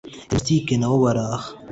karisimatike nabo bari aha